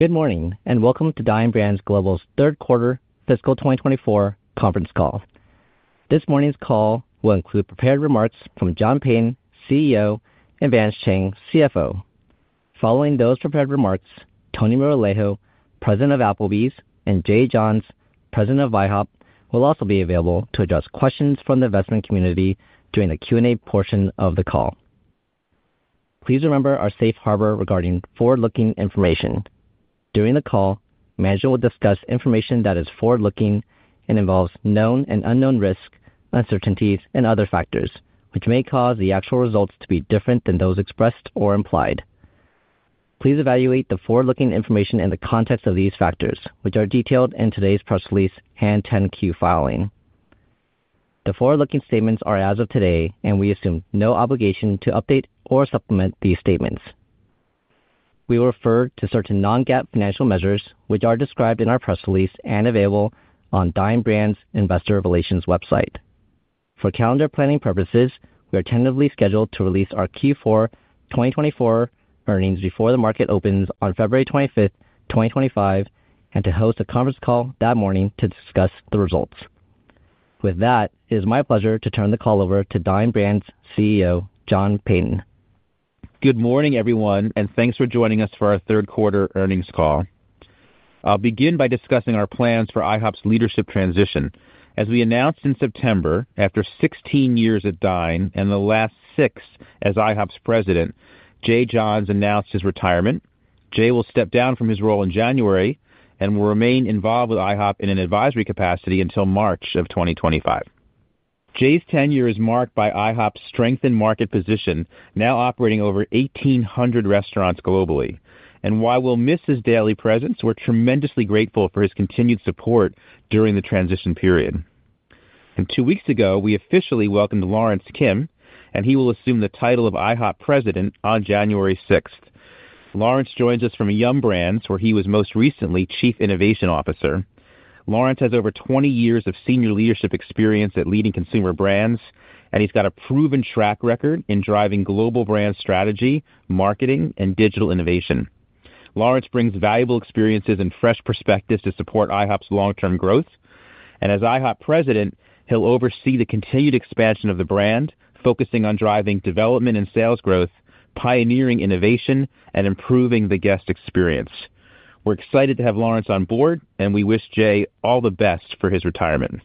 Good morning and welcome to Dine Brands Global's Third Quarter Fiscal 2024 Conference Call. This morning's call will include prepared remarks from John Peyton, CEO, and Vance Chang, CFO. Following those prepared remarks, Tony Moralejo, President of Applebee's, and Jay Johns, President of IHOP, will also be available to address questions from the investment community during the Q&A portion of the call. Please remember our safe harbor regarding forward-looking information. During the call, management will discuss information that is forward-looking and involves known and unknown risk, uncertainties, and other factors, which may cause the actual results to be different than those expressed or implied. Please evaluate the forward-looking information in the context of these factors, which are detailed in today's press release and 10-Q filing. The forward-looking statements are as of today, and we assume no obligation to update or supplement these statements. We will refer to certain Non-GAAP financial measures, which are described in our press release and available on Dine Brands Investor Relations website. For calendar planning purposes, we are tentatively scheduled to release our Q4 2024 earnings before the market opens on February 25th, 2025, and to host a conference call that morning to discuss the results. With that, it is my pleasure to turn the call over to Dine Brands CEO, John Peyton. Good morning, everyone, and thanks for joining us for our Third Quarter Earnings Call. I'll begin by discussing our plans for IHOP's leadership transition. As we announced in September, after 16 years at Dine and the last six as IHOP's President, Jay Johns announced his retirement. Jay will step down from his role in January and will remain involved with IHOP in an advisory capacity until March of 2025. Jay's tenure is marked by IHOP's strengthened market position, now operating over 1,800 restaurants globally, and while we'll miss his daily presence, we're tremendously grateful for his continued support during the transition period. And two weeks ago, we officially welcomed Lawrence Kim, and he will assume the title of IHOP President on January 6th. Lawrence joins us from Yum! Brands, where he was most recently Chief Innovation Officer. Lawrence has over 20 years of senior leadership experience at leading consumer brands, and he's got a proven track record in driving global brand strategy, marketing, and digital innovation. Lawrence brings valuable experiences and fresh perspectives to support IHOP's long-term growth, and as IHOP president, he'll oversee the continued expansion of the brand, focusing on driving development and sales growth, pioneering innovation, and improving the guest experience. We're excited to have Lawrence on board, and we wish Jay all the best for his retirement.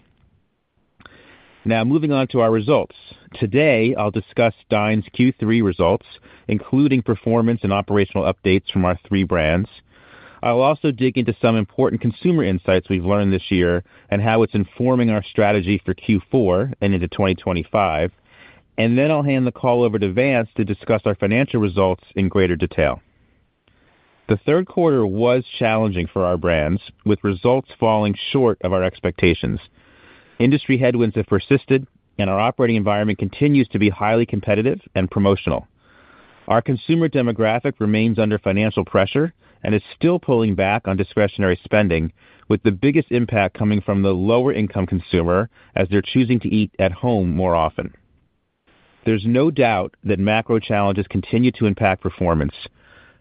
Now, moving on to our results. Today, I'll discuss Dine's Q3 results, including performance and operational updates from our three brands. I'll also dig into some important consumer insights we've learned this year and how it's informing our strategy for Q4 and into 2025, and then I'll hand the call over to Vance to discuss our financial results in greater detail. The third quarter was challenging for our brands, with results falling short of our expectations. Industry headwinds have persisted, and our operating environment continues to be highly competitive and promotional. Our consumer demographic remains under financial pressure and is still pulling back on discretionary spending, with the biggest impact coming from the lower-income consumer as they're choosing to eat at home more often. There's no doubt that macro challenges continue to impact performance,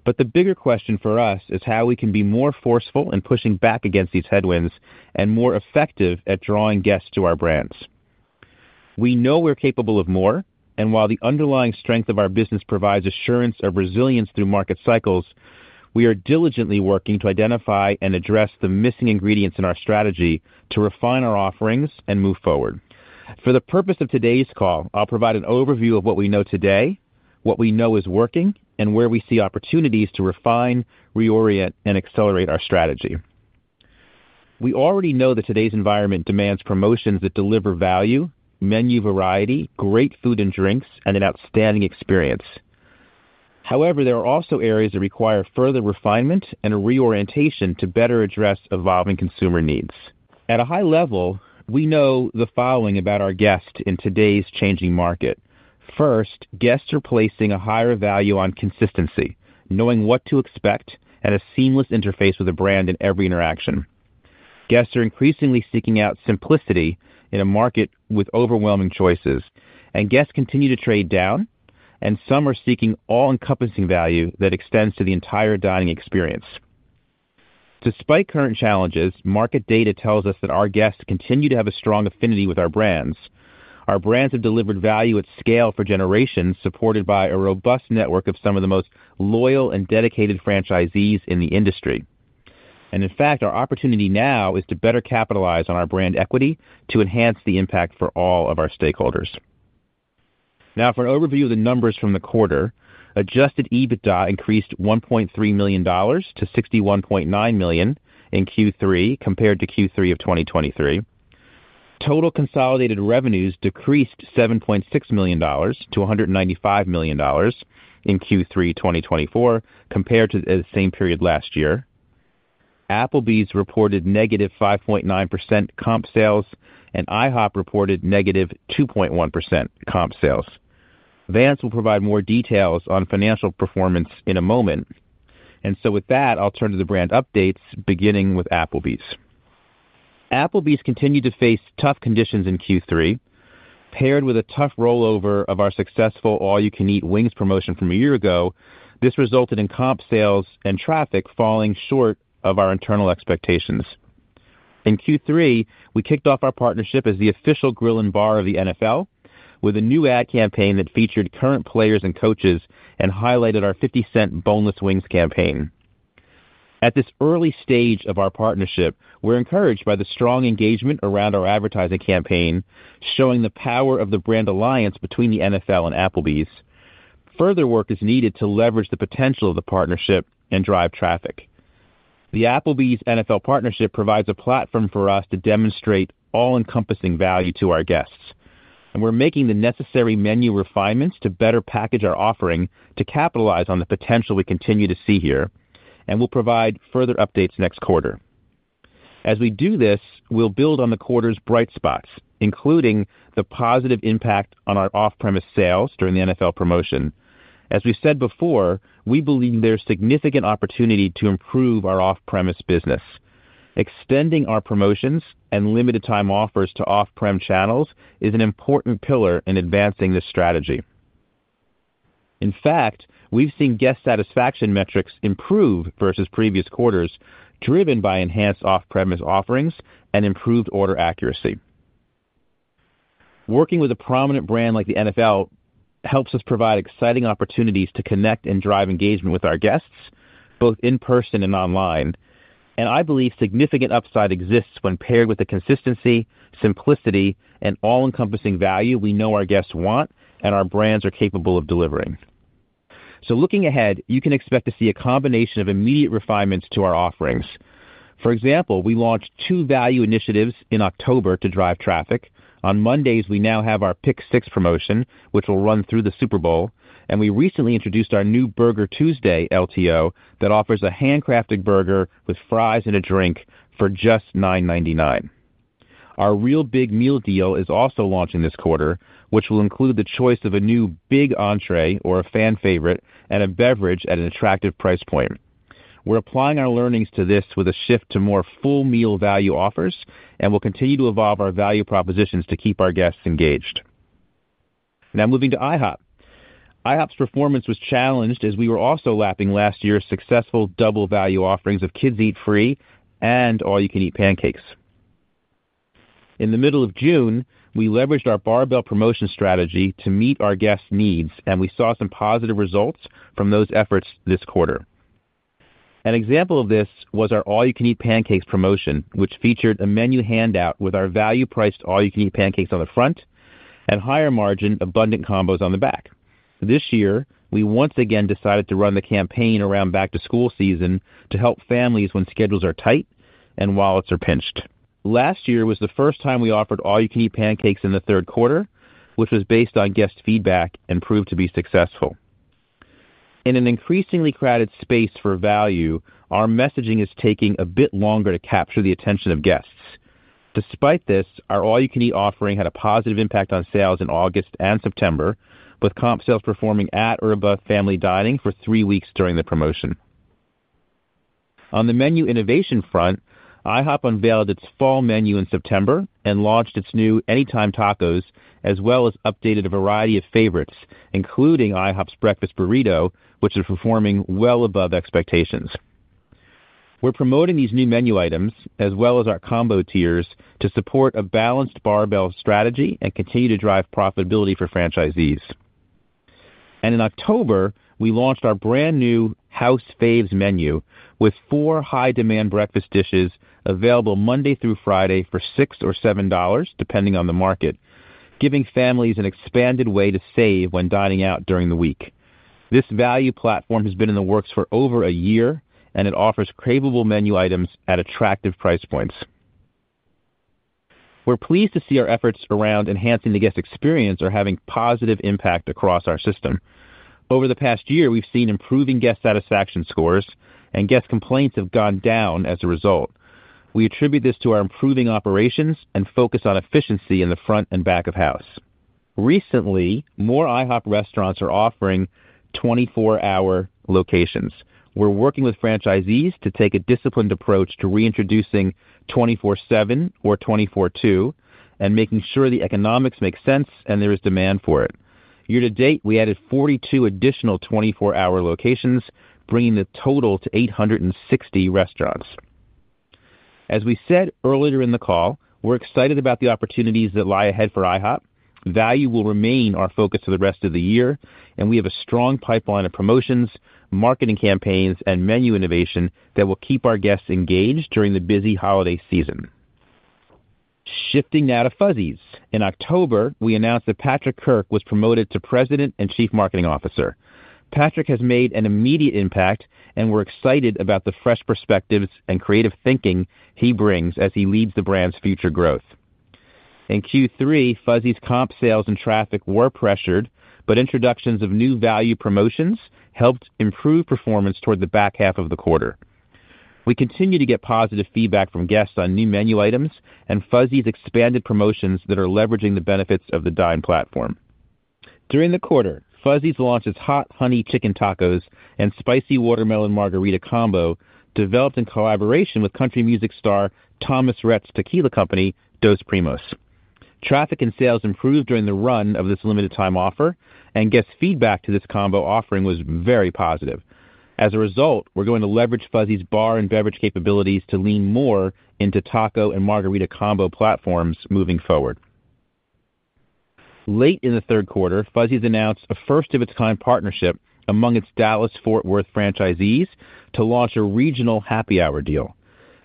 but the bigger question for us is how we can be more forceful in pushing back against these headwinds and more effective at drawing guests to our brands. We know we're capable of more, and while the underlying strength of our business provides assurance of resilience through market cycles, we are diligently working to identify and address the missing ingredients in our strategy to refine our offerings and move forward. For the purpose of today's call, I'll provide an overview of what we know today, what we know is working, and where we see opportunities to refine, reorient, and accelerate our strategy. We already know that today's environment demands promotions that deliver value, menu variety, great food and drinks, and an outstanding experience. However, there are also areas that require further refinement and a reorientation to better address evolving consumer needs. At a high level, we know the following about our guest in today's changing market. First, guests are placing a higher value on consistency, knowing what to expect, and a seamless interface with the brand in every interaction. Guests are increasingly seeking out simplicity in a market with overwhelming choices, and guests continue to trade down, and some are seeking all-encompassing value that extends to the entire dining experience. Despite current challenges, market data tells us that our guests continue to have a strong affinity with our brands. Our brands have delivered value at scale for generations, supported by a robust network of some of the most loyal and dedicated franchisees in the industry. And in fact, our opportunity now is to better capitalize on our brand equity to enhance the impact for all of our stakeholders. Now, for an overview of the numbers from the quarter, Adjusted EBITDA increased $1.3 million-$61.9 million in Q3 compared to Q3 of 2023. Total consolidated revenues decreased $7.6 million-$195 million in Q3 2024 compared to the same period last year. Applebee's reported negative 5.9% comp sales, and IHOP reported negative 2.1% comp sales. Vance will provide more details on financial performance in a moment. And so with that, I'll turn to the brand updates, beginning with Applebee's. Applebee's continued to face tough conditions in Q3. Paired with a tough rollover of our successful All-You-Can-Eat Wings promotion from a year ago, this resulted in comp sales and traffic falling short of our internal expectations. In Q3, we kicked off our partnership as the official grill and bar of the NFL with a new ad campaign that featured current players and coaches and highlighted our 50 Cent Boneless Wings campaign. At this early stage of our partnership, we're encouraged by the strong engagement around our advertising campaign, showing the power of the brand alliance between the NFL and Applebee's. Further work is needed to leverage the potential of the partnership and drive traffic. The Applebee's NFL partnership provides a platform for us to demonstrate all-encompassing value to our guests. We're making the necessary menu refinements to better package our offering to capitalize on the potential we continue to see here, and we'll provide further updates next quarter. As we do this, we'll build on the quarter's bright spots, including the positive impact on our off-premise sales during the NFL promotion. As we said before, we believe there's significant opportunity to improve our off-premise business. Extending our promotions and limited-time offers to off-prem channels is an important pillar in advancing this strategy. In fact, we've seen guest satisfaction metrics improve versus previous quarters, driven by enhanced off-premise offerings and improved order accuracy. Working with a prominent brand like the NFL helps us provide exciting opportunities to connect and drive engagement with our guests, both in person and online. I believe significant upside exists when paired with the consistency, simplicity, and all-encompassing value we know our guests want and our brands are capable of delivering. Looking ahead, you can expect to see a combination of immediate refinements to our offerings. For example, we launched two value initiatives in October to drive traffic. On Mondays, we now have our Pick 6 promotion, which will run through the Super Bowl. And we recently introduced our new Burger Tuesday LTO that offers a handcrafted burger with fries and a drink for just $9.99. Our Real Big Meal Deal is also launching this quarter, which will include the choice of a new big entrée or a fan favorite and a beverage at an attractive price point. We're applying our learnings to this with a shift to more full meal value offers, and we'll continue to evolve our value propositions to keep our guests engaged. Now moving to IHOP. IHOP's performance was challenged as we were also lapping last year's successful double value offerings of Kids Eat Free and All-You-Can-Eat Pancakes. In the middle of June, we leveraged our barbell promotion strategy to meet our guests' needs, and we saw some positive results from those efforts this quarter. An example of this was our All-You-Can-Eat Pancakes promotion, which featured a menu handout with our value-priced All-You-Can-Eat Pancakes on the front and higher margin abundant combos on the back. This year, we once again decided to run the campaign around back-to-school season to help families when schedules are tight and wallets are pinched. Last year was the first time we offered All-You-Can-Eat Pancakes in the third quarter, which was based on guest feedback and proved to be successful. In an increasingly crowded space for value, our messaging is taking a bit longer to capture the attention of guests. Despite this, our All-You-Can-Eat offering had a positive impact on sales in August and September, with comp sales performing at or above family dining for three weeks during the promotion. On the menu innovation front, IHOP unveiled its fall menu in September and launched its new Anytime Tacos, as well as updated a variety of favorites, including IHOP's Breakfast Burrito, which is performing well above expectations. We're promoting these new menu items, as well as our combo tiers, to support a balanced barbell strategy and continue to drive profitability for franchisees. In October, we launched our brand new House Faves menu with four high-demand breakfast dishes available Monday through Friday for $6 or $7, depending on the market, giving families an expanded way to save when dining out during the week. This value platform has been in the works for over a year, and it offers craveable menu items at attractive price points. We're pleased to see our efforts around enhancing the guest experience are having positive impact across our system. Over the past year, we've seen improving guest satisfaction scores, and guest complaints have gone down as a result. We attribute this to our improving operations and focus on efficiency in the front and back of house. Recently, more IHOP restaurants are offering 24-hour locations. We're working with franchisees to take a disciplined approach to reintroducing 24/7 or 24/2 and making sure the economics make sense and there is demand for it. Year to date, we added 42 additional 24-hour locations, bringing the total to 860 restaurants. As we said earlier in the call, we're excited about the opportunities that lie ahead for IHOP. Value will remain our focus for the rest of the year, and we have a strong pipeline of promotions, marketing campaigns, and menu innovation that will keep our guests engaged during the busy holiday season. Shifting now to Fuzzy's. In October, we announced that Patrick Kirk was promoted to President and Chief Marketing Officer. Patrick has made an immediate impact, and we're excited about the fresh perspectives and creative thinking he brings as he leads the brand's future growth. In Q3, Fuzzy's comp sales and traffic were pressured, but introductions of new value promotions helped improve performance toward the back half of the quarter. We continue to get positive feedback from guests on new menu items and Fuzzy's expanded promotions that are leveraging the benefits of the Dine platform. During the quarter, Fuzzy's launched its Hot Honey Chicken Tacos and Spicy Watermelon Margarita combo, developed in collaboration with country music star Thomas Rhett's tequila company, Dos Primos. Traffic and sales improved during the run of this limited-time offer, and guest feedback to this combo offering was very positive. As a result, we're going to leverage Fuzzy's bar and beverage capabilities to lean more into taco and margarita combo platforms moving forward. Late in the third quarter, Fuzzy's announced a first-of-its-kind partnership among its Dallas-Fort Worth franchisees to launch a regional happy hour deal.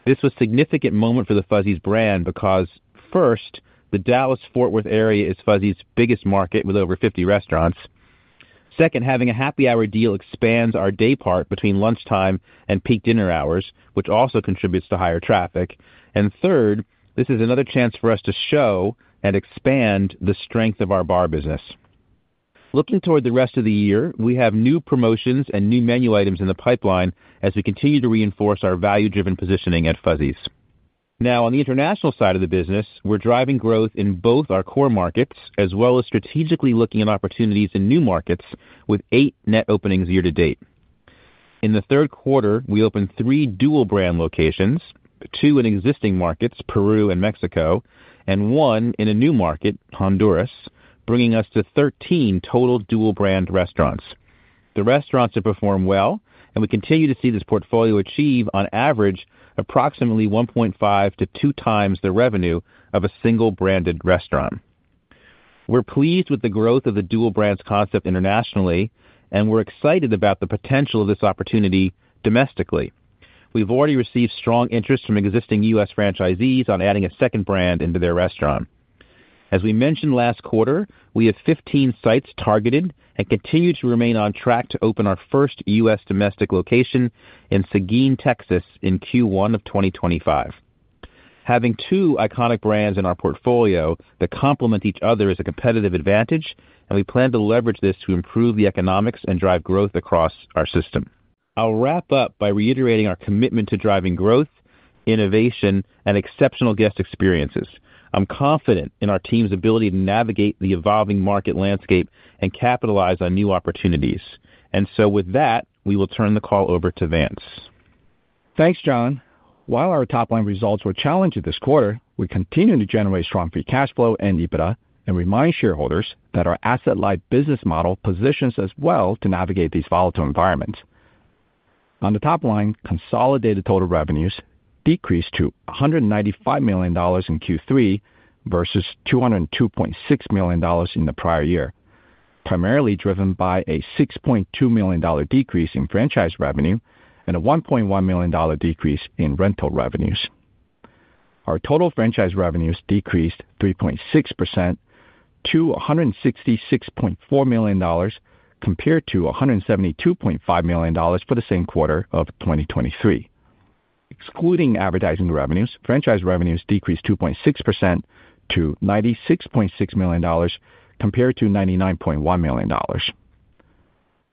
This was a significant moment for the Fuzzy's brand because, first, the Dallas-Fort Worth area is Fuzzy's biggest market with over 50 restaurants. Second, having a happy hour deal expands our day part between lunchtime and peak dinner hours, which also contributes to higher traffic, and third, this is another chance for us to show and expand the strength of our bar business. Looking toward the rest of the year, we have new promotions and new menu items in the pipeline as we continue to reinforce our value-driven positioning at Fuzzy's. Now, on the international side of the business, we're driving growth in both our core markets as well as strategically looking at opportunities in new markets with eight net openings year to date. In the third quarter, we opened three dual brand locations, two in existing markets, Peru and Mexico, and one in a new market, Honduras, bringing us to 13 total dual brand restaurants. The restaurants have performed well, and we continue to see this portfolio achieve, on average, approximately 1.5-2 times the revenue of a single branded restaurant. We're pleased with the growth of the dual brand's concept internationally, and we're excited about the potential of this opportunity domestically. We've already received strong interest from existing U.S. franchisees on adding a second brand into their restaurant. As we mentioned last quarter, we have 15 sites targeted and continue to remain on track to open our first U.S. domestic location in Seguin, Texas, in Q1 of 2025. Having two iconic brands in our portfolio that complement each other is a competitive advantage, and we plan to leverage this to improve the economics and drive growth across our system. I'll wrap up by reiterating our commitment to driving growth, innovation, and exceptional guest experiences. I'm confident in our team's ability to navigate the evolving market landscape and capitalize on new opportunities. And so with that, we will turn the call over to Vance. Thanks, John. While our top-line results were challenged this quarter, we continue to generate strong free cash flow and EBITDA and remind shareholders that our asset-light business model positions us well to navigate these volatile environments. On the top line, consolidated total revenues decreased to $195 million in Q3 versus $202.6 million in the prior year, primarily driven by a $6.2 million decrease in franchise revenue and a $1.1 million decrease in rental revenues. Our total franchise revenues decreased 3.6% to $166.4 million compared to $172.5 million for the same quarter of 2023. Excluding advertising revenues, franchise revenues decreased 2.6% to $96.6 million compared to $99.1 million.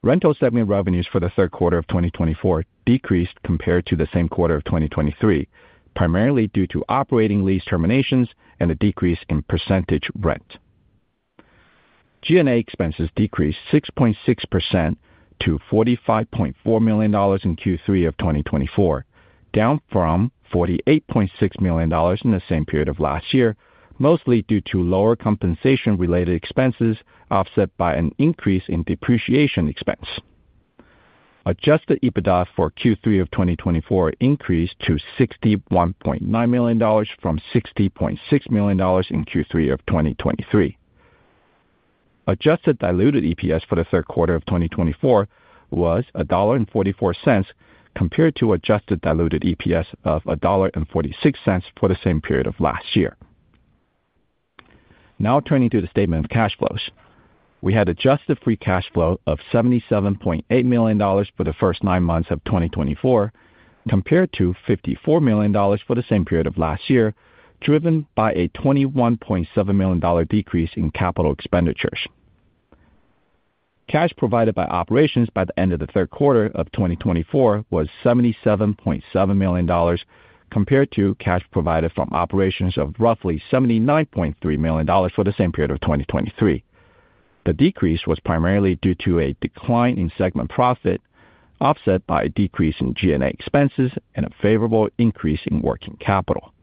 Rental segment revenues for the third quarter of 2024 decreased compared to the same quarter of 2023, primarily due to operating lease terminations and a decrease in percentage rent. G&A expenses decreased 6.6% to $45.4 million in Q3 of 2024, down from $48.6 million in the same period of last year, mostly due to lower compensation-related expenses offset by an increase in depreciation expense. Adjusted EBITDA for Q3 of 2024 increased to $61.9 million from $60.6 million in Q3 of 2023. Adjusted diluted EPS for the third quarter of 2024 was $1.44 compared to adjusted diluted EPS of $1.46 for the same period of last year. Now turning to the statement of cash flows. We had adjusted free cash flow of $77.8 million for the first nine months of 2024, compared to $54 million for the same period of last year, driven by a $21.7 million decrease in capital expenditures. Cash provided by operations by the end of the third quarter of 2024 was $77.7 million compared to cash provided from operations of roughly $79.3 million for the same period of 2023. The decrease was primarily due to a decline in segment profit offset by a decrease in G&A expenses and a favorable increase in working capital.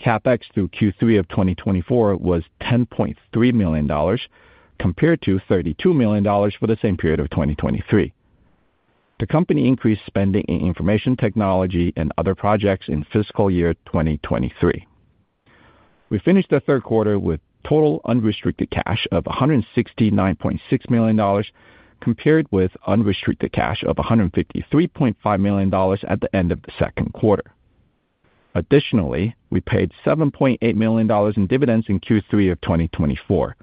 CapEx through Q3 of 2024 was $10.3 million compared to $32 million for the same period of 2023. The company increased spending in information technology and other projects in fiscal year 2023. We finished the third quarter with total unrestricted cash of $169.6 million compared with unrestricted cash of $153.5 million at the end of the second quarter. Additionally, we paid $7.8 million in dividends in Q3 of 2024.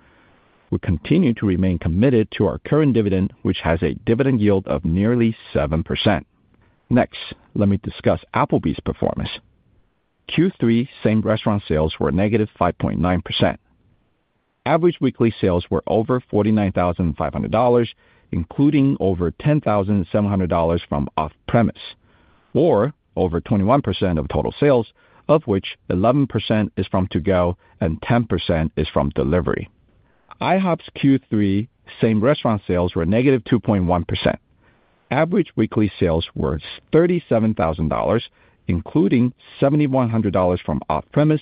We continue to remain committed to our current dividend, which has a dividend yield of nearly 7%. Next, let me discuss Applebee's performance. Q3, same restaurant sales were negative 5.9%. Average weekly sales were over $49,500, including over $10,700 from off-premise, or over 21% of total sales, of which 11% is from to-go and 10% is from delivery. IHOP's Q3, same restaurant sales were negative 2.1%. Average weekly sales were $37,000, including $7,100 from off-premise,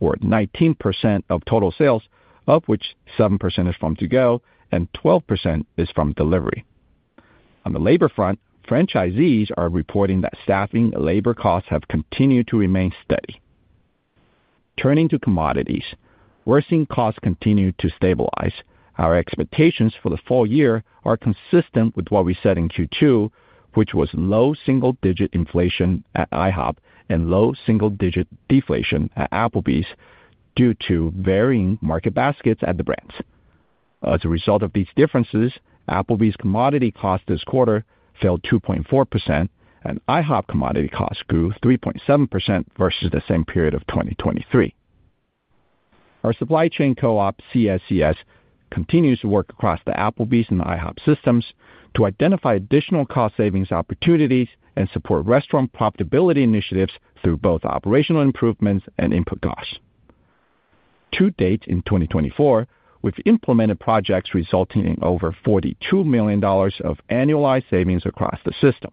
or 19% of total sales, of which 7% is from to-go and 12% is from delivery. On the labor front, franchisees are reporting that staffing and labor costs have continued to remain steady. Turning to commodities, we're seeing costs continue to stabilize. Our expectations for the full year are consistent with what we said in Q2, which was low single-digit inflation at IHOP and low single-digit deflation at Applebee's due to varying market baskets at the brands. As a result of these differences, Applebee's commodity cost this quarter fell 2.4%, and IHOP commodity cost grew 3.7% versus the same period of 2023. Our supply chain co-op, CSCS, continues to work across the Applebee's and IHOP systems to identify additional cost savings opportunities and support restaurant profitability initiatives through both operational improvements and input costs. To date in 2024, we've implemented projects resulting in over $42 million of annualized savings across the system.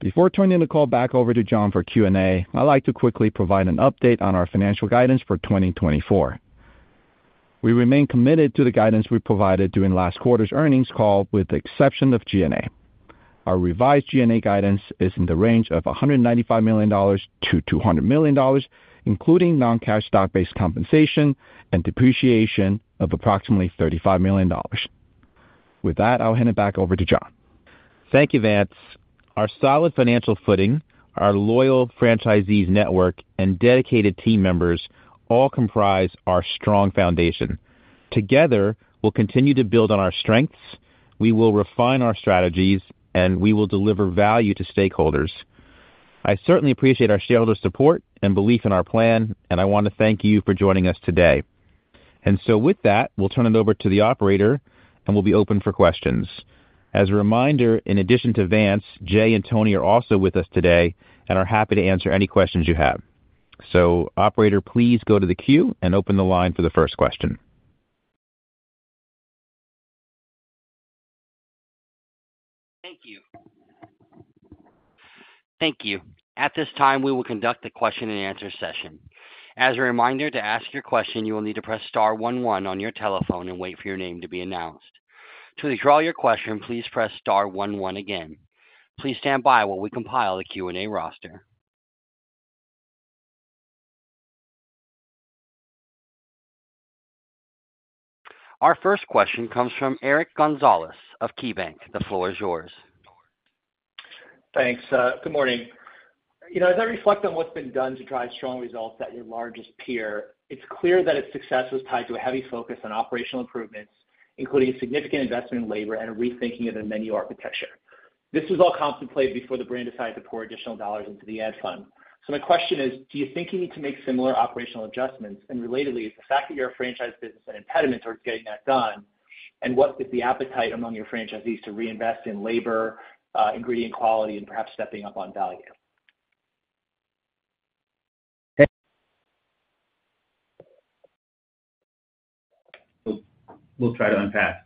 Before turning the call back over to John for Q&A, I'd like to quickly provide an update on our financial guidance for 2024. We remain committed to the guidance we provided during last quarter's earnings call, with the exception of G&A. Our revised G&A guidance is in the range of $195 million-$200 million, including non-cash stock-based compensation and depreciation of approximately $35 million. With that, I'll hand it back over to John. Thank you, Vance. Our solid financial footing, our loyal franchisees network, and dedicated team members all comprise our strong foundation. Together, we'll continue to build on our strengths, we will refine our strategies, and we will deliver value to stakeholders. I certainly appreciate our shareholder support and belief in our plan, and I want to thank you for joining us today. And so with that, we'll turn it over to the operator, and we'll be open for questions. As a reminder, in addition to Vance, Jay and Tony are also with us today and are happy to answer any questions you have. So, operator, please go to the queue and open the line for the first question. Thank you. Thank you. At this time, we will conduct the question-and-answer session. As a reminder, to ask your question, you will need to press star one one on your telephone and wait for your name to be announced. To withdraw your question, please press star 11 again. Please stand by while we compile the Q&A roster. Our first question comes from Eric Gonzalez of KeyBanc. The floor is yours. Thanks. Good morning. As I reflect on what's been done to drive strong results at your largest peer, it's clear that its success was tied to a heavy focus on operational improvements, including significant investment in labor and rethinking of the menu architecture. This was all contemplated before the brand decided to pour additional dollars into the ad fund. So my question is, do you think you need to make similar operational adjustments? And relatedly, is the fact that you're a franchise business an impediment towards getting that done? And what is the appetite among your franchisees to reinvest in labor, ingredient quality, and perhaps stepping up on value? We'll try to unpack.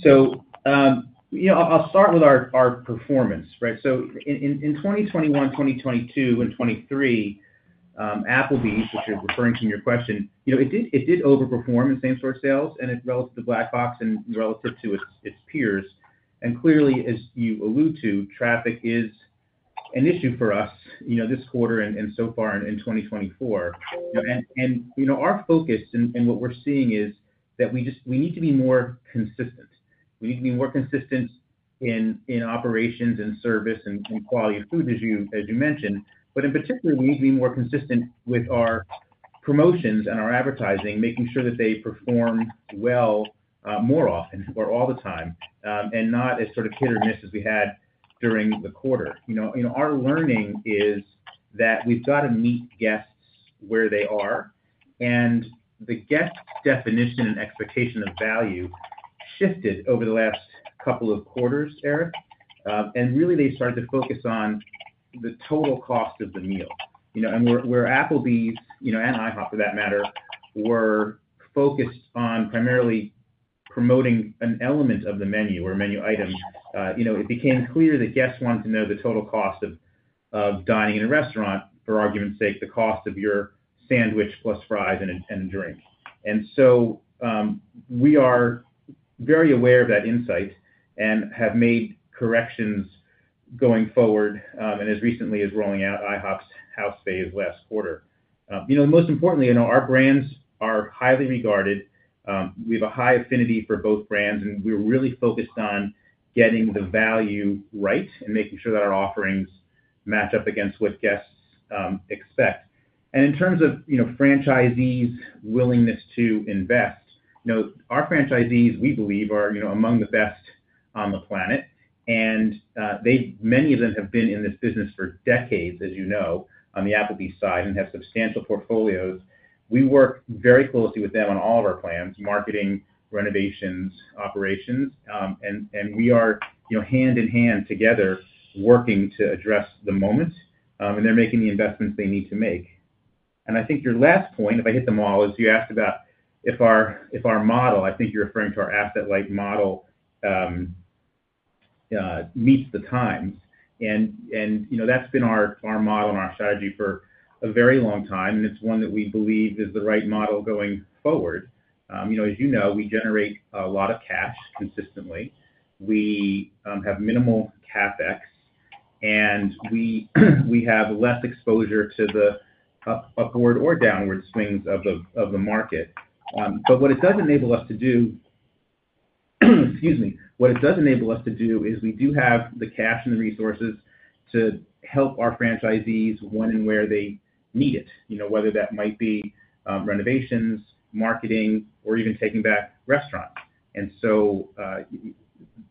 So I'll start with our performance. So in 2021, 2022, and 2023, Applebee's, which you're referring to in your question, it did overperform in same-store sales relative to Black Box and relative to its peers and clearly, as you allude to, traffic is an issue for us this quarter and so far in 2024. And our focus and what we're seeing is that we need to be more consistent. We need to be more consistent in operations and service and quality of food, as you mentioned. But in particular, we need to be more consistent with our promotions and our advertising, making sure that they perform well more often or all the time and not as sort of hit or miss as we had during the quarter. Our learning is that we've got to meet guests where they are. And the guest definition and expectation of value shifted over the last couple of quarters, Eric. And really, they started to focus on the total cost of the meal. And where Applebee's and IHOP, for that matter, were focused on primarily promoting an element of the menu or menu item, it became clear that guests wanted to know the total cost of dining in a restaurant, for argument's sake, the cost of your sandwich plus fries and a drink. And so we are very aware of that insight and have made corrections going forward. And as recently as rolling out IHOP's House Faves last quarter. Most importantly, our brands are highly regarded. We have a high affinity for both brands, and we're really focused on getting the value right and making sure that our offerings match up against what guests expect. And in terms of franchisees' willingness to invest, our franchisees, we believe, are among the best on the planet. Many of them have been in this business for decades, as you know, on the Applebee's side and have substantial portfolios. We work very closely with them on all of our plans, marketing, renovations, operations. We are hand in hand together working to address the moment, and they're making the investments they need to make. I think your last point, if I hit them all, is you asked about if our model, I think you're referring to our asset-light model, meets the times. That's been our model and our strategy for a very long time, and it's one that we believe is the right model going forward. As you know, we generate a lot of cash consistently. We have minimal CapEx, and we have less exposure to the upward or downward swings of the market. But what it does enable us to do, excuse me, what it does enable us to do is we do have the cash and the resources to help our franchisees when and where they need it, whether that might be renovations, marketing, or even taking back restaurants, and so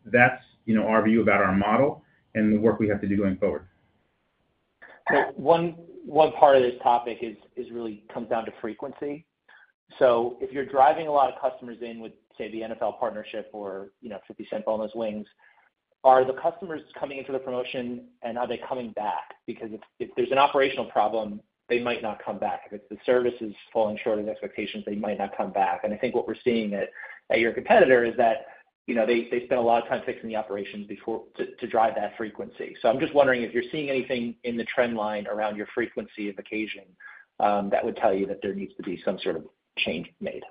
that's our view about our model and the work we have to do going forward. One part of this topic really comes down to frequency, so if you're driving a lot of customers in with, say, the NFL Partnership or 50 Cent Boneless Wings, are the customers coming in for the promotion, and are they coming back? Because if there's an operational problem, they might not come back. If the service is falling short of expectations, they might not come back and I think what we're seeing at your competitor is that they spend a lot of time fixing the operations to drive that frequency. So I'm just wondering if you're seeing anything in the trend line around your frequency of occasion that would tell you that there needs to be some sort of change made.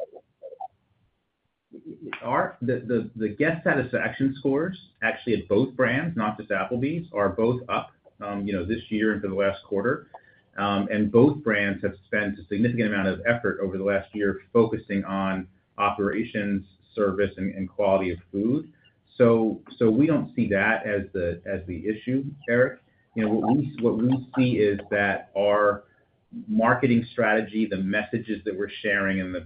The guest satisfaction scores, actually, at both brands, not just Applebee's, are both up this year and for the last quarter. And both brands have spent a significant amount of effort over the last year focusing on operations, service, and quality of food. So we don't see that as the issue, Eric. What we see is that our marketing strategy, the messages that we're sharing, and the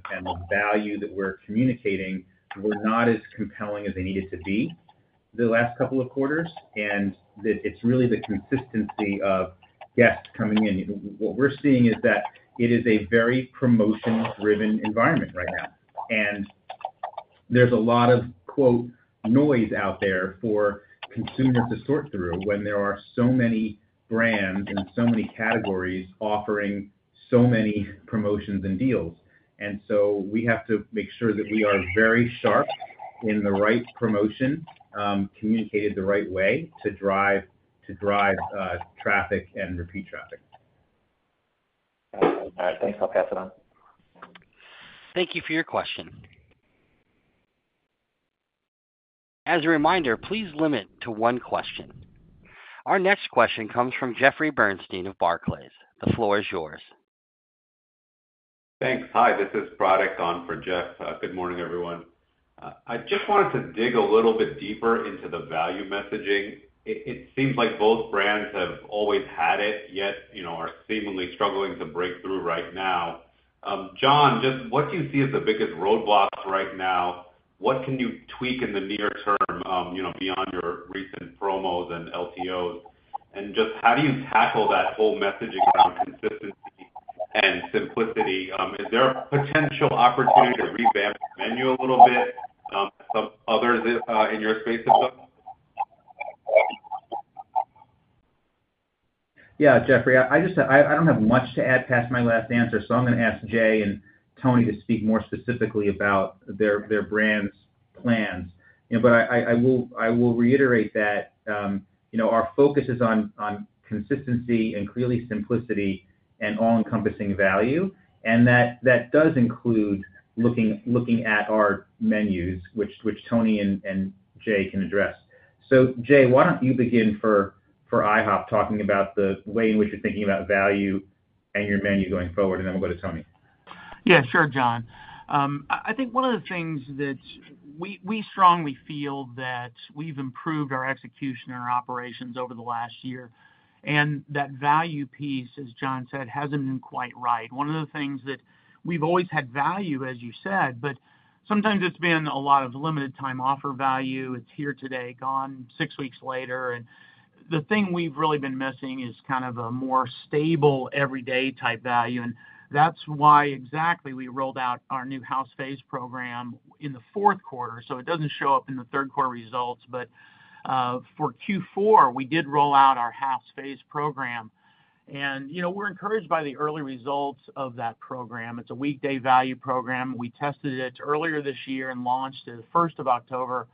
value that we're communicating were not as compelling as they needed to be the last couple of quarters. And it's really the consistency of guests coming in. What we're seeing is that it is a very promotion-driven environment right now, and there's a lot of "noise" out there for consumers to sort through when there are so many brands and so many categories offering so many promotions and deals, and so we have to make sure that we are very sharp in the right promotion, communicated the right way to drive traffic and repeat traffic. All right. Thanks. I'll pass it on. Thank you for your question. As a reminder, please limit to one question. Our next question comes from Jeffrey Bernstein of Barclays. The floor is yours. Thanks. Hi. This is Pratik Patel. Good morning, everyone. I just wanted to dig a little bit deeper into the value messaging. It seems like both brands have always had it, yet are seemingly struggling to break through right now. John, just what do you see as the biggest roadblocks right now? What can you tweak in the near term beyond your recent promos and LTOs? And just how do you tackle that whole messaging around consistency and simplicity? Is there a potential opportunity to revamp the menu a little bit? Others in your space have done? Yeah, Jeffrey, I don't have much to add past my last answer, so I'm going to ask Jay and Tony to speak more specifically about their brand's plans. But I will reiterate that our focus is on consistency and clear simplicity and all-encompassing value. And that does include looking at our menus, which Tony and Jay can address. So Jay, why don't you begin for IHOP talking about the way in which you're thinking about value and your menu going forward, and then we'll go to Tony. Yeah, sure, John, I think one of the things that we strongly feel that we've improved our execution and our operations over the last year, and that value piece, as John said, hasn't been quite right. One of the things that we've always had value, as you said, but sometimes it's been a lot of limited-time offer value. It's here today, gone six weeks later, and the thing we've really been missing is kind of a more stable, everyday-type value. That's why exactly we rolled out our new House Faves program in the fourth quarter, so it doesn't show up in the third-quarter results. But for Q4, we did roll out our House Faves program, and we're encouraged by the early results of that program. It's a weekday value program. We tested it earlier this year and launched it the 1st of October.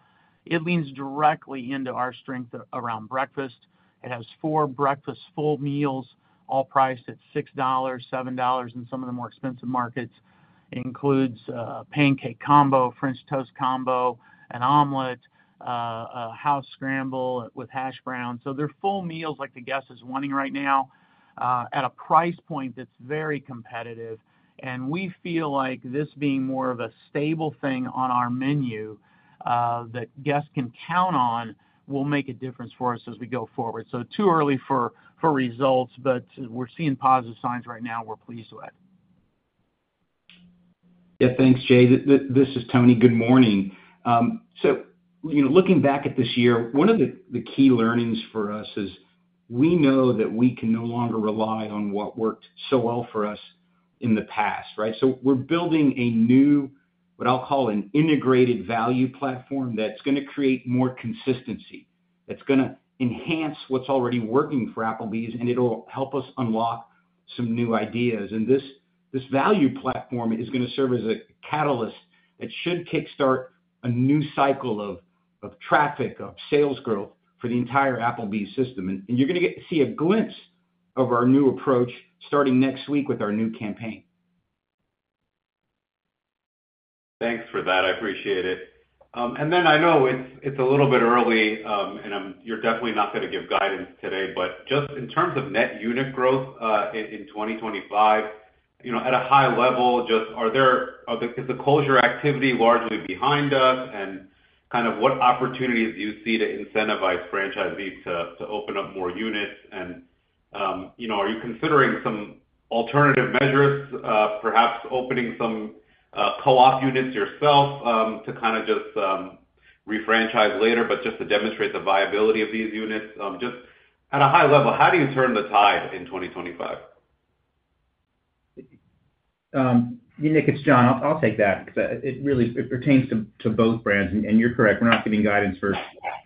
It leans directly into our strength around breakfast. It has four breakfast full meals, all priced at $6, $7, and some of the more expensive markets. It includes pancake combo, French toast combo, an omelet, a house scramble with hash browns. So they're full meals like the guest is wanting right now at a price point that's very competitive. And we feel like this being more of a stable thing on our menu that guests can count on will make a difference for us as we go forward. So too early for results, but we're seeing positive signs right now. We're pleased with it. Yeah. Thanks, Jay. This is Tony. Good morning. So looking back at this year, one of the key learnings for us is we know that we can no longer rely on what worked so well for us in the past, right? So we're building a new, what I'll call an integrated value platform that's going to create more consistency, that's going to enhance what's already working for Applebee's, and it'll help us unlock some new ideas. And this value platform is going to serve as a catalyst that should kickstart a new cycle of traffic, of sales growth for the entire Applebee's system. And you're going to see a glimpse of our new approach starting next week with our new campaign. Thanks for that. I appreciate it. And then I know it's a little bit early, and you're definitely not going to give guidance today, but just in terms of net unit growth in 2025, at a high level, just is the closure activity largely behind us? And kind of what opportunities do you see to incentivize franchisees to open up more units? Are you considering some alternative measures, perhaps opening some co-op units yourself to kind of just refranchise later, but just to demonstrate the viability of these units? Just at a high level, how do you turn the tide in 2025? Nick, it's John. I'll take that because it pertains to both brands. And you're correct. We're not giving guidance for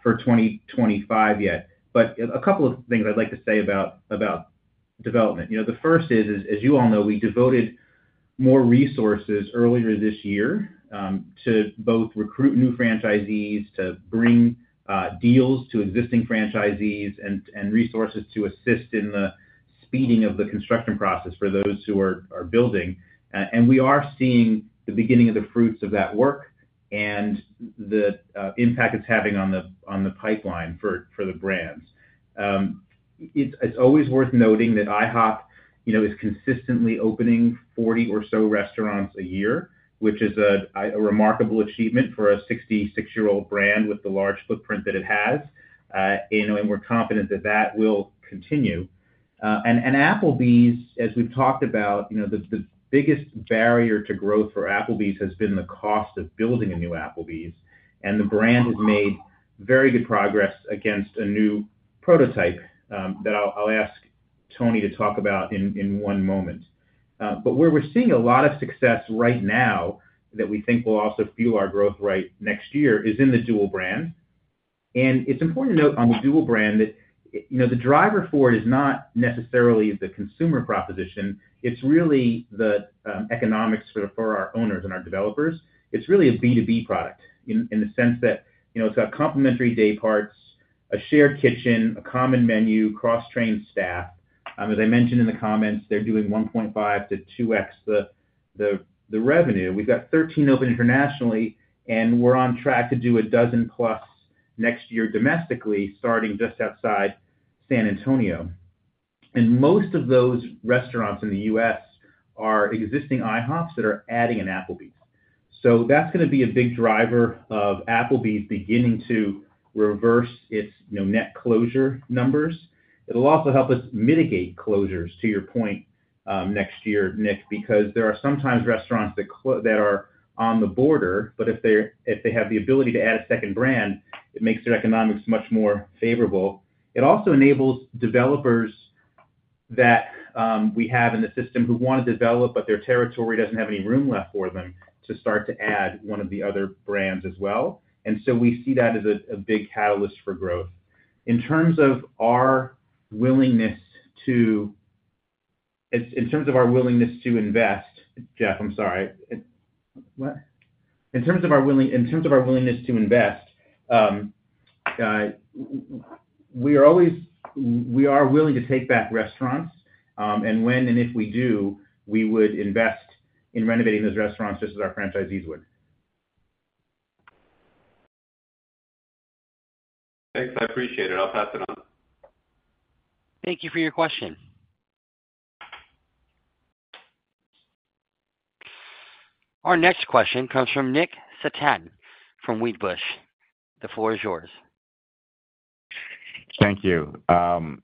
2025 yet. But a couple of things I'd like to say about development. The first is, as you all know, we devoted more resources earlier this year to both recruit new franchisees, to bring deals to existing franchisees, and resources to assist in the speeding of the construction process for those who are building. And we are seeing the beginning of the fruits of that work and the impact it's having on the pipeline for the brands. It's always worth noting that IHOP is consistently opening 40 or so restaurants a year, which is a remarkable achievement for a 66-year-old brand with the large footprint that it has, and we're confident that that will continue. Applebee's, as we've talked about, the biggest barrier to growth for Applebee's has been the cost of building a new Applebee's, and the brand has made very good progress against a new prototype that I'll ask Tony to talk about in one moment, but where we're seeing a lot of success right now that we think will also fuel our growth right next year is in the dual brand, and it's important to note on the dual brand that the driver for it is not necessarily the consumer proposition. It's really the economics for our owners and our developers. It's really a B2B product in the sense that it's got complementary day parts, a shared kitchen, a common menu, cross-trained staff. As I mentioned in the comments, they're doing 1.5 to 2X the revenue. We've got 13 open internationally, and we're on track to do a dozen plus next year domestically starting just outside San Antonio. And most of those restaurants in the U.S. are existing IHOPs that are adding an Applebee's. So that's going to be a big driver of Applebee's beginning to reverse its net closure numbers. It'll also help us mitigate closures, to your point, Nick, because there are sometimes restaurants that are on the border, but if they have the ability to add a second brand, it makes their economics much more favorable. It also enables developers that we have in the system who want to develop, but their territory doesn't have any room left for them to start to add one of the other brands as well. And so we see that as a big catalyst for growth. In terms of our willingness to invest, Jeff, I'm sorry. We are willing to take back restaurants. And when and if we do, we would invest in renovating those restaurants just as our franchisees would. Thanks. I appreciate it. I'll pass it on. Thank you for your question. Our next question comes from Nick Setyan from Wedbush. The floor is yours. Thank you. In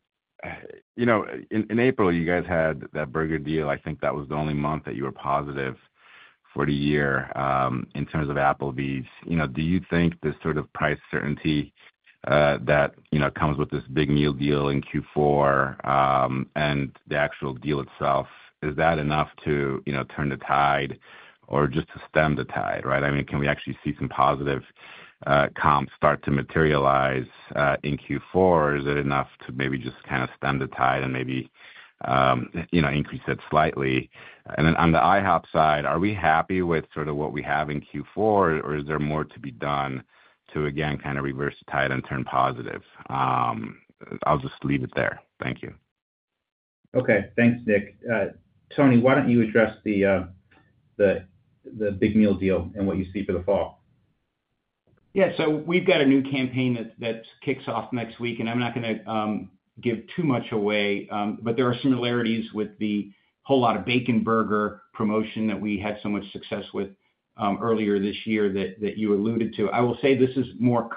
April, you guys had that burger deal. I think that was the only month that you were positive for the year in terms of Applebee's. Do you think this sort of price certainty that comes with this Big Meal Deal in Q4 and the actual deal itself, is that enough to turn the tide or just to stem the tide, right? I mean, can we actually see some positive comps start to materialize in Q4? Is it enough to maybe just kind of stem the tide and maybe increase it slightly? And then on the IHOP side, are we happy with sort of what we have in Q4, or is there more to be done to, again, kind of reverse the tide and turn positive? I'll just leave it there. Thank you. Okay. Thanks, Nick. Tony, why don't you address the Big Meal Deal and what you see for the fall? Yeah. So we've got a new campaign that kicks off next week, and I'm not going to give too much away but there are similarities with the Whole Lotta Bacon Burger promotion that we had so much success with earlier this year that you alluded to. I will say this is more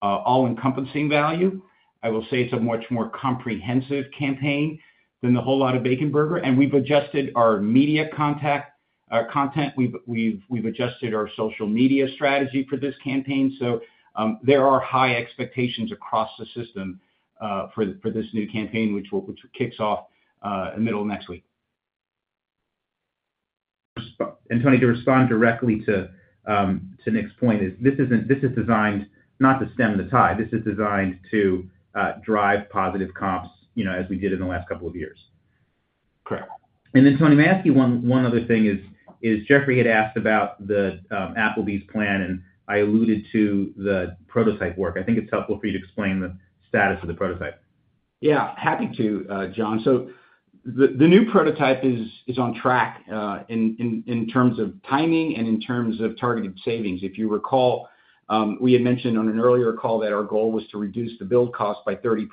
all-encompassing value. I will say it's a much more comprehensive campaign than the Whole Lotta Bacon Burger. And we've adjusted our media content. We've adjusted our social media strategy for this campaign. So there are high expectations across the system for this new campaign, which kicks off in the middle of next week. And Tony, to respond directly to Nick's point, this is designed not to stem the tide. This is designed to drive positive comps as we did in the last couple of years. Correct. And then, Tony, may I ask you one other thing? Jeffrey had asked about the Applebee's plan, and I alluded to the prototype work. I think it's helpful for you to explain the status of the prototype. Yeah. Happy to, John. So the new prototype is on track in terms of timing and in terms of targeted savings. If you recall, we had mentioned on an earlier call that our goal was to reduce the build cost by 30%.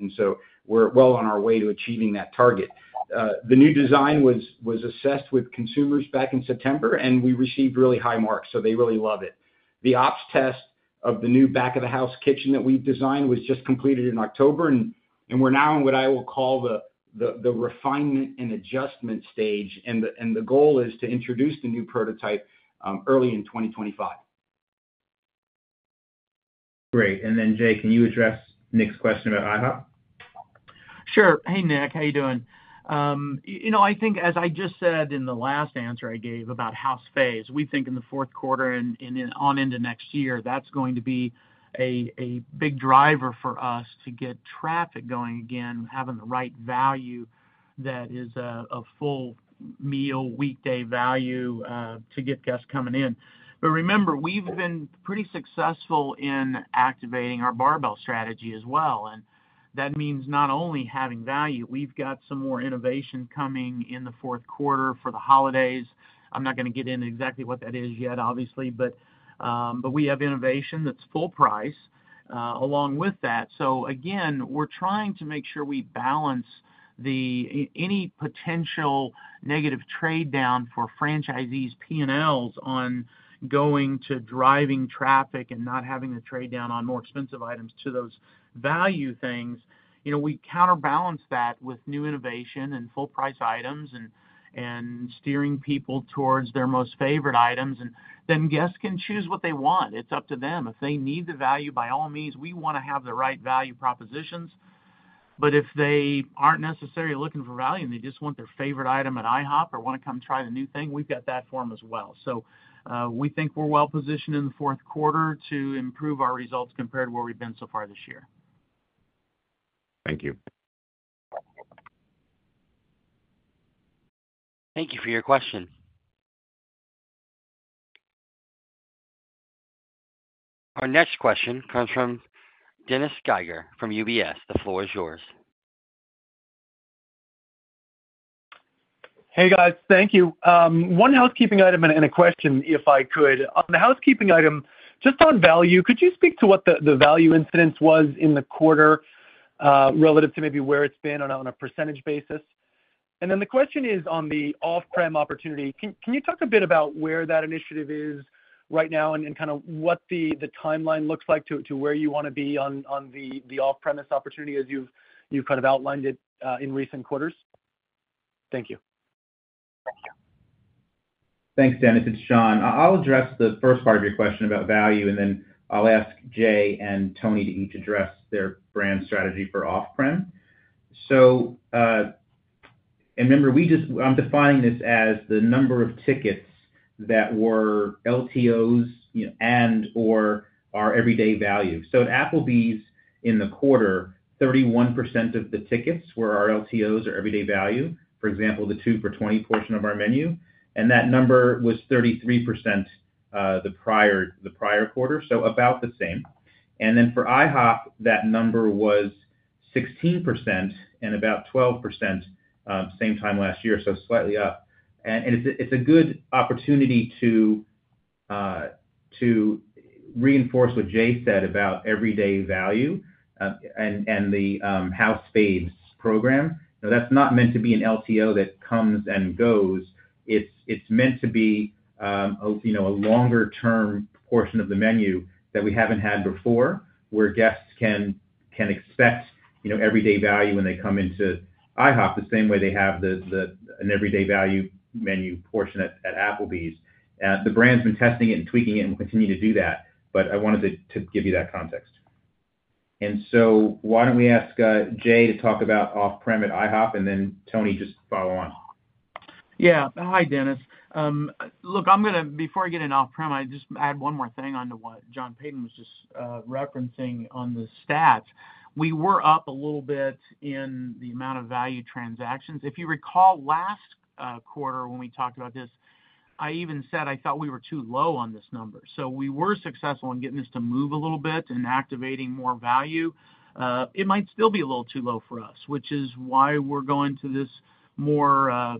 And so we're well on our way to achieving that target. The new design was assessed with consumers back in September, and we received really high marks. So they really love it. The ops test of the new back-of-the-house kitchen that we've designed was just completed in October. And we're now in what I will call the refinement and adjustment stage. And the goal is to introduce the new prototype early in 2025. Great. And then, Jay, can you address Nick's question about IHOP? Sure. Hey, Nick. How are you doing? I think, as I just said in the last answer I gave about House Faves, we think in the fourth quarter and on into next year, that's going to be a big driver for us to get traffic going again, having the right value that is a full meal weekday value to get guests coming in. But remember, we've been pretty successful in activating our barbell strategy as well. And that means not only having value. We've got some more innovation coming in the fourth quarter for the holidays. I'm not going to get into exactly what that is yet, obviously. But we have innovation that's full price along with that. So again, we're trying to make sure we balance any potential negative trade-down for franchisees' P&Ls on going to driving traffic and not having to trade down on more expensive items to those value things. We counterbalance that with new innovation and full-price items and steering people towards their most favorite items, and then guests can choose what they want. It's up to them. If they need the value, by all means, we want to have the right value propositions, but if they aren't necessarily looking for value and they just want their favorite item at IHOP or want to come try the new thing, we've got that for them as well, so we think we're well positioned in the fourth quarter to improve our results compared to where we've been so far this year. Thank you. Thank you for your question. Our next question comes from Dennis Geiger from UBS. The floor is yours. Hey, guys. Thank you. One housekeeping item and a question, if I could on the housekeeping item, just on value, could you speak to what the value incidence was in the quarter relative to maybe where it's been on a percentage basis? And then the question is on the off-prem opportunity. Can you talk a bit about where that initiative is right now and kind of what the timeline looks like to where you want to be on the off-premise opportunity as you've kind of outlined it in recent quarters? Thank you. Thank you. Thanks, Dennis. It's John. I'll address the first part of your question about value, and then I'll ask Jay and Tony to each address their brand strategy for off-prem. And remember, I'm defining this as the number of tickets that were LTOs and/or our everyday value So at Applebee's, in the quarter, 31% of the tickets were our LTOs or everyday value, for example, the 2 for $20 portion of our menu. And that number was 33% the prior quarter, so about the same. And then for IHOP, that number was 16% and about 12% same time last year, so slightly up. And it's a good opportunity to reinforce what Jay said about everyday value and the House Faves program. That's not meant to be an LTO that comes and goes. It's meant to be a longer-term portion of the menu that we haven't had before where guests can expect everyday value when they come into IHOP the same way they have an everyday value menu portion at Applebee's. The brand's been testing it and tweaking it and will continue to do that. But I wanted to give you that context and so why don't we ask Jay to talk about off-prem at IHOP, and then Tony just follow on. Yeah. Hi, Dennis. Look, before I get into off-prem, I'll just add one more thing on to what John Peyton was just referencing on the stats. We were up a little bit in the amount of value transactions. If you recall last quarter when we talked about this, I even said I thought we were too low on this number. So we were successful in getting this to move a little bit and activating more value. It might still be a little too low for us, which is why we're going to this more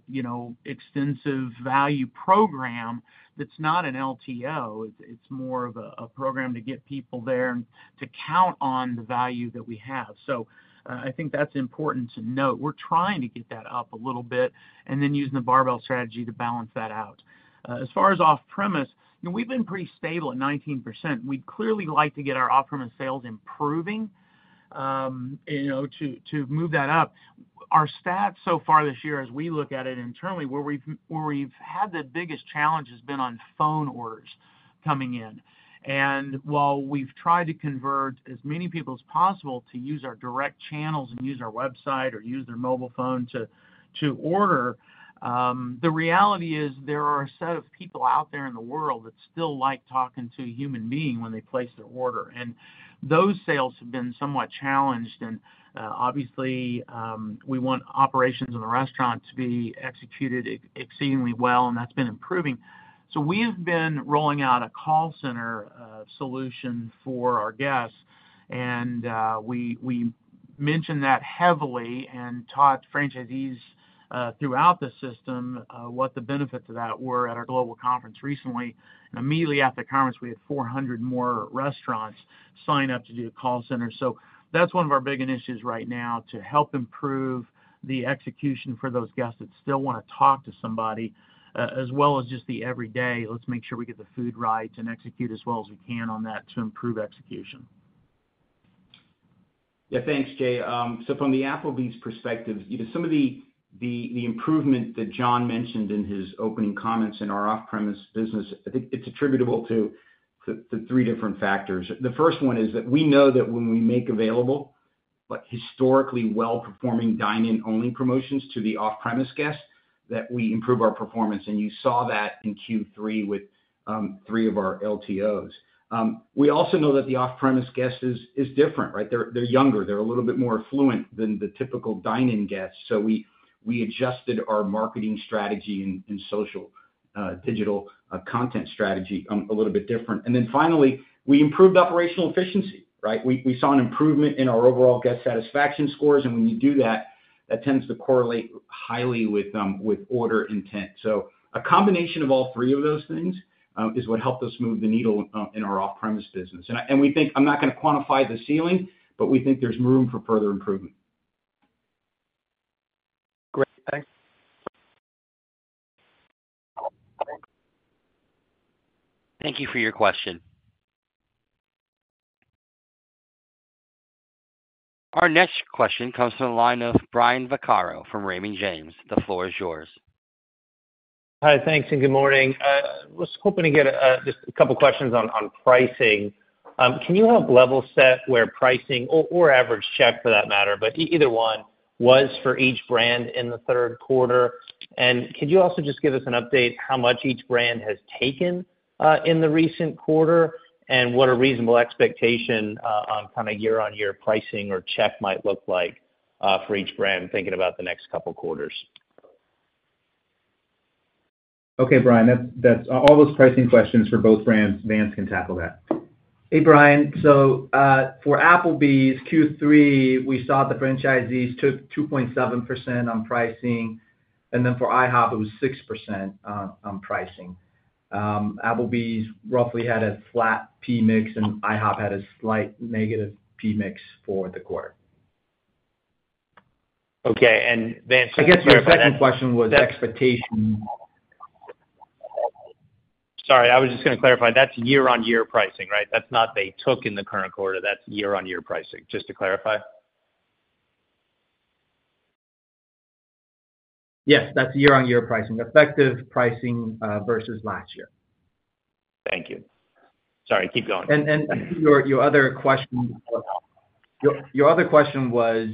extensive value program that's not an LTO. It's more of a program to get people there and to count on the value that we have. So I think that's important to note. We're trying to get that up a little bit and then using the barbell strategy to balance that out. As far as off-premise, we've been pretty stable at 19%. We'd clearly like to get our off-premise sales improving to move that up. Our stats so far this year, as we look at it internally, where we've had the biggest challenge has been on phone orders coming in, and while we've tried to convert as many people as possible to use our direct channels and use our website or use their mobile phone to order, the reality is there are a set of people out there in the world that still like talking to a human being when they place their order, and those sales have been somewhat challenged, and obviously, we want operations in the restaurant to be executed exceedingly well, and that's been improving. So we've been rolling out a call center solution for our guests. And we mentioned that heavily and taught franchisees throughout the system what the benefits of that were at our global conference recently. And immediately after the conference, we had 400 more restaurants sign up to do a call center. So that's one of our big initiatives right now to help improve the execution for those guests that still want to talk to somebody, as well as just the everyday, "Let's make sure we get the food right and execute as well as we can on that to improve execution." Yeah. Thanks, Jay. So from the Applebee's perspective, some of the improvement that John mentioned in his opening comments in our off-premise business, I think it's attributable to three different factors. The first one is that we know that when we make available historically well-performing dine-in-only promotions to the off-premise guests, that we improve our performance. And you saw that in Q3 with three of our LTOs. We also know that the off-premise guest is different, right? They're younger. They're a little bit more affluent than the typical dine-in guests. So we adjusted our marketing strategy and social digital content strategy a little bit different. And then finally, we improved operational efficiency, right? We saw an improvement in our overall guest satisfaction scores. And when you do that, that tends to correlate highly with order intent. So a combination of all three of those things is what helped us move the needle in our off-premise business. And I'm not going to quantify the ceiling, but we think there's room for further improvement. Great. Thanks. Thank you for your question. Our next question comes from the line of Brian Vaccaro from Raymond James. The floor is yours. Hi. Thanks and good morning. Was hoping to get just a couple of questions on pricing. Can you help level set where pricing or average check, for that matter, but either one was for each brand in the third quarter? And could you also just give us an update how much each brand has taken in the recent quarter and what a reasonable expectation on kind of year-on-year pricing or check might look like for each brand thinking about the next couple of quarters? Okay, Brian. All those pricing questions for both brands. Vance can tackle that. Hey, Brian. So for Applebee's, Q3, we saw the franchisees took 2.7% on pricing. And then for IHOP, it was 6% on pricing, Applebee's roughly had a flat P-mix, and IHOP had a slight negative P-mix for the quarter. Okay. And Vance, Your second question was expectation- Sorry. I was just going to clarify. That's year-on-year pricing, right? That's not they took in the current quarter. That's year-on-year pricing, just to clarify. Yes. That's year-on-year pricing, effective pricing versus last year. Thank you. Sorry. Keep going. And your other question was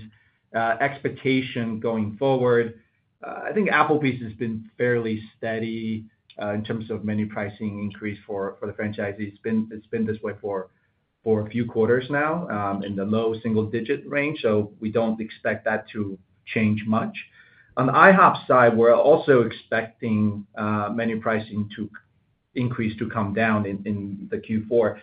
expectation going forward. I think Applebee's has been fairly steady in terms of menu pricing increase for the franchisees. It's been this way for a few quarters now in the low single-digit range. So we don't expect that to change much. On the IHOP side, we're also expecting menu pricing to increase to come down in the Q4.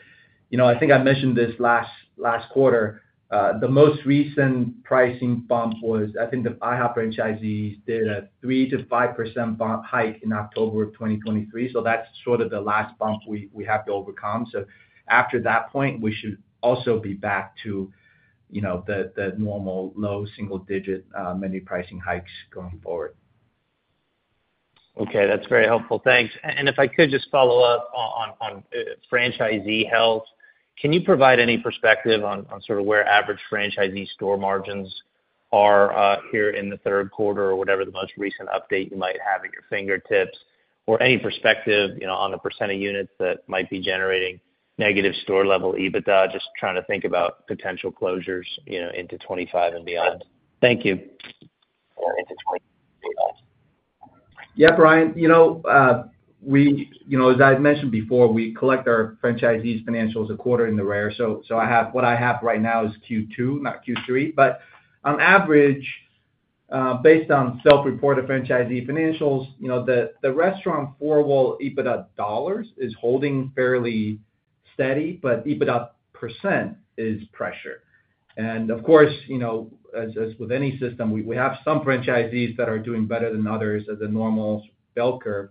I think I mentioned this last quarter, the most recent pricing bump was, I think, the IHOP franchisees did a 3%-5% hike in October of 2023. So that's sort of the last bump we have to overcome. So after that point, we should also be back to the normal low single-digit menu pricing hikes going forward. Okay. That's very helpful. Thanks. And if I could just follow up on franchisee health, can you provide any perspective on sort of where average franchisee store margins are here in the third quarter or whatever the most recent update you might have at your fingertips or any perspective on the % of units that might be generating negative store-level EBITDA, just trying to think about potential closures into 2025 and beyond? Thank you. Yeah, Brian. As I've mentioned before, we collect our franchisees' financials a quarter in arrears. What I have right now is Q2, not Q3. But on average, based on self-reported franchisee financials, the restaurant four-wall EBITDA dollars is holding fairly steady, but EBITDA % is pressure. And of course, as with any system, we have some franchisees that are doing better than others as a normal bell curve.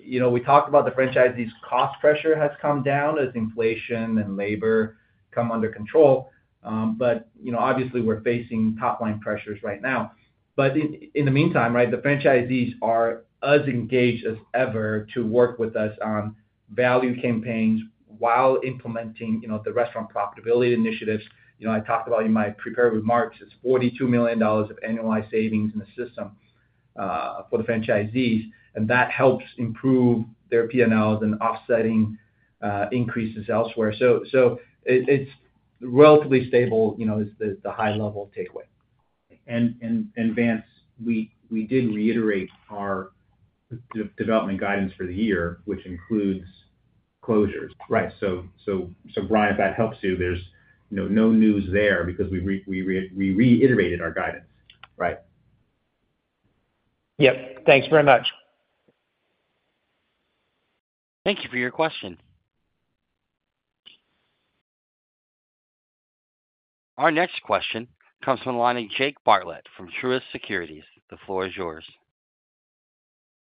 We talked about the franchisees' cost pressure has come down as inflation and labor come under control. But obviously, we're facing top-line pressures right now. But in the meantime, right, the franchisees are as engaged as ever to work with us on value campaigns while implementing the restaurant profitability initiatives I talked about in my prepared remarks. It's $42 million of annualized savings in the system for the franchisees. And that helps improve their P&Ls and offsetting increases elsewhere. It's relatively stable as the high-level takeaway. And Vance, we did reiterate our development guidance for the year, which includes closures. Right. So Brian, if that helps you, there's no news there because we reiterated our guidance. Right. Yep. Thanks very much. Thank you for your question. Our next question comes from the line of Jake Bartlett from Truist Securities. The floor is yours.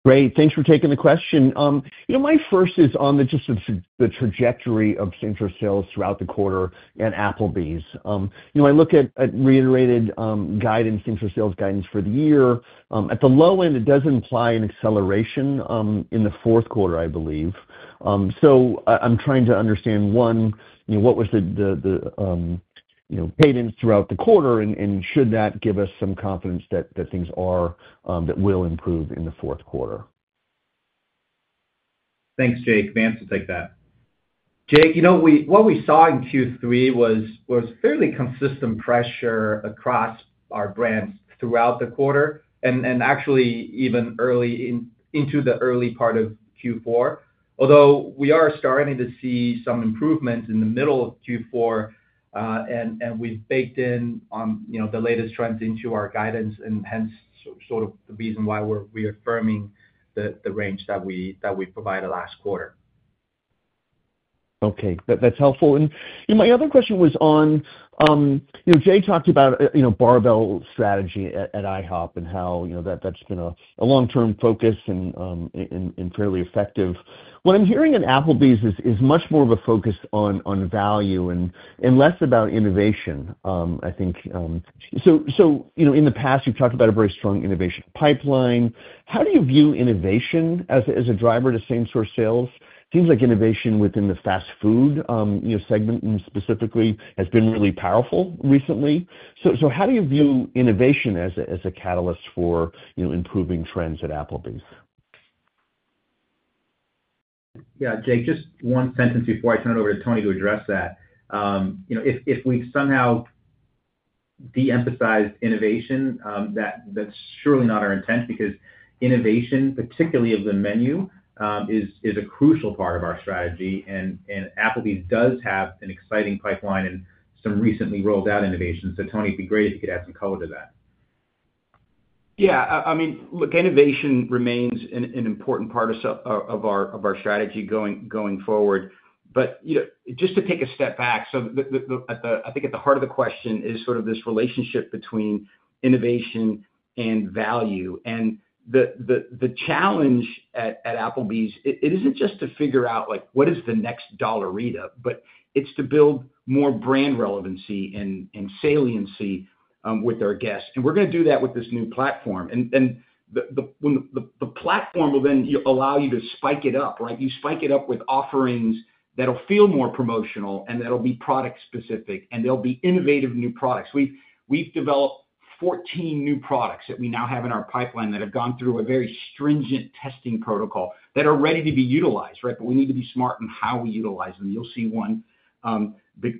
Great. Thanks for taking the question. My first is on just the trajectory of comp sales throughout the quarter at Applebee's. I look at reiterated guidance, comp sales guidance for the year. At the low end, it does imply an acceleration in the fourth quarter, I believe. So I'm trying to understand, one, what was the cadence throughout the quarter, and should that give us some confidence that things are that will improve in the fourth quarter? Thanks, Jake. Vance will take that. Jake, what we saw in Q3 was fairly consistent pressure across our brands throughout the quarter and actually even into the early part of Q4. Although we are starting to see some improvements in the middle of Q4, and we've baked in the latest trends into our guidance, and hence sort of the reason why we're reaffirming the range that we provided last quarter. Okay. That's helpful. And my other question was on Jay talked about barbell strategy at IHOP and how that's been a long-term focus and fairly effective. What I'm hearing at Applebee's is much more of a focus on value and less about innovation, I think. So in the past, you've talked about a very strong innovation pipeline. How do you view innovation as a driver to same-store sales? It seems like innovation within the fast food segment specifically has been really powerful recently. So how do you view innovation as a catalyst for improving trends at Applebee's? Yeah, Jake, just one sentence before I turn it over to Tony to address that. If we've somehow de-emphasized innovation, that's surely not our intent because innovation, particularly of the menu, is a crucial part of our strategy. And Applebee's does have an exciting pipeline and some recently rolled-out innovations. So Tony, it'd be great if you could add some color to that. Yeah. I mean, look, innovation remains an important part of our strategy going forward. But just to take a step back, so I think at the heart of the question is sort of this relationship between innovation and value. And the challenge at Applebee's, it isn't just to figure out what is the next Dollarita, but it's to build more brand relevancy and saliency with our guests. And we're going to do that with this new platform. And the platform will then allow you to spike it up, right? You spike it up with offerings that'll feel more promotional and that'll be product-specific, and they'll be innovative new products. We've developed 14 new products that we now have in our pipeline that have gone through a very stringent testing protocol that are ready to be utilized, right? But we need to be smart in how we utilize them. You'll see one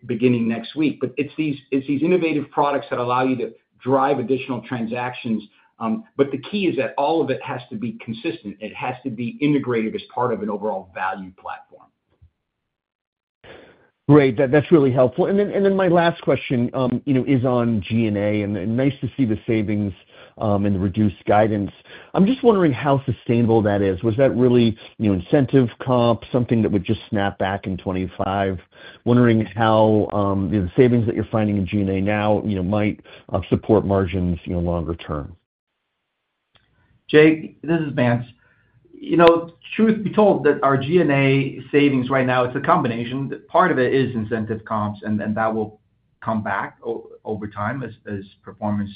beginning next week. But it's these innovative products that allow you to drive additional transactions. But the key is that all of it has to be consistent. It has to be integrated as part of an overall value platform. Great. That's really helpful. And then my last question is on G&A. And nice to see the savings and the reduced guidance. I'm just wondering how sustainable that is. Was that really incentive comp, something that would just snap back in 2025? Wondering how the savings that you're finding in G&A now might support margins longer term. Jake, this is Vance. Truth be told, that our G&A savings right now, it's a combination. Part of it is incentive comps, and that will come back over time as performance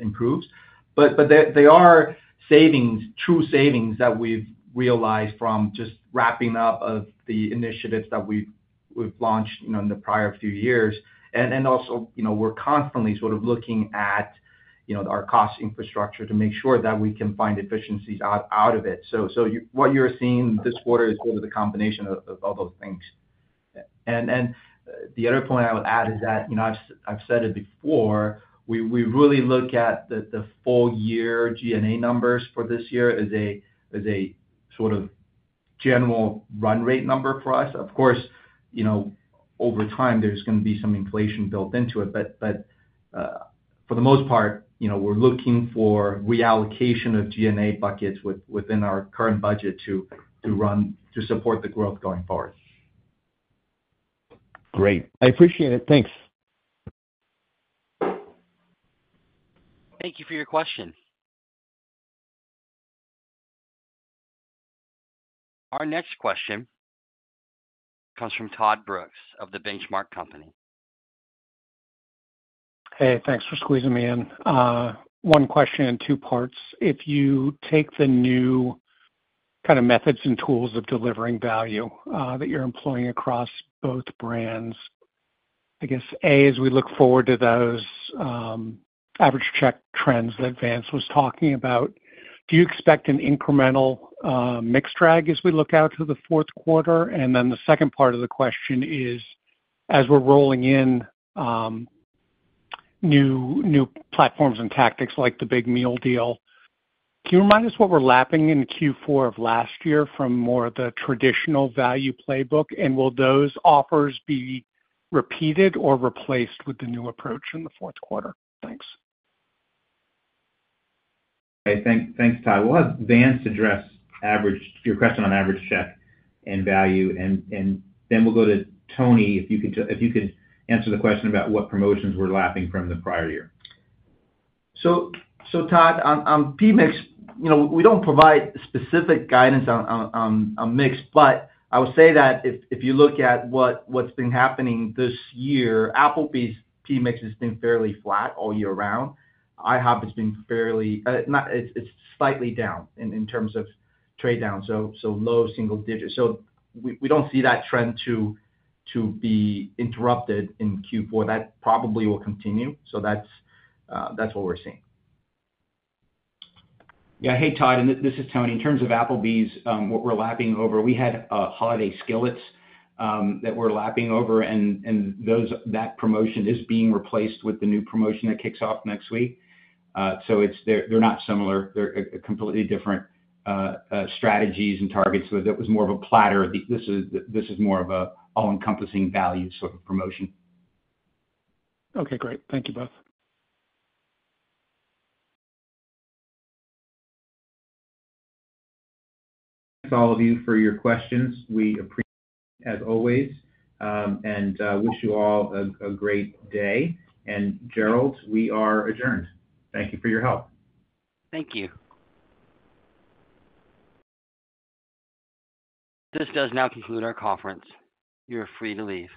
improves. But they are true savings that we've realized from just wrapping up the initiatives that we've launched in the prior few years. And also, we're constantly sort of looking at our cost infrastructure to make sure that we can find efficiencies out of it. So what you're seeing this quarter is sort of the combination of all those things. And the other point I would add is that I've said it before, we really look at the full-year G&A numbers for this year as a sort of general run rate number for us. Of course, over time, there's going to be some inflation built into it. But for the most part, we're looking for reallocation of G&A buckets within our current budget to support the growth going forward. Great. I appreciate it. Thanks. Thank you for your question. Our next question comes from Todd Brooks of The Benchmark Company. Hey, thanks for squeezing me in. One question in two parts. If you take the new kind of methods and tools of delivering value that you're employing across both brands, I guess, A, as we look forward to those average check trends that Vance was talking about, do you expect an incremental mixed drag as we look out to the fourth quarter? And then the second part of the question is, as we're rolling in new platforms and tactics like the Big Meal Deal, can you remind us what we're lapping in Q4 of last year from more of the traditional value playbook? And will those offers be repeated or replaced with the new approach in the fourth quarter? Thanks. Okay. Thanks, Todd. We'll have Vance address your question on average check and value. And then we'll go to Tony if you could answer the question about what promotions we're lapping from the prior year. So, Todd, on P-mix, we don't provide specific guidance on mix. But I would say that if you look at what's been happening this year, Applebee's P-mix has been fairly flat all year round. IHOP has been fairly. It's slightly down in terms of trade down, so low single digits. So we don't see that trend to be interrupted in Q4. That probably will continue. So that's what we're seeing. Yeah. Hey, Todd. And this is Tony. In terms of Applebee's, what we're lapping over, we had Holiday Skillets that we're lapping over. And that promotion is being replaced with the new promotion that kicks off next week. So they're not similar. They're completely different strategies and targets. So that was more of a platter. This is more of an all-encompassing value sort of promotion. Okay. Great. Thank you both. Thanks, all of you, for your questions. We appreciate it, as always. And wish you all a great day. And Gerald, we are adjourned. Thank you for your help. Thank you. This does now conclude our conference. You're free to leave.